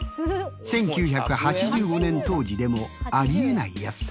１９８５年当時でもありえない安さ。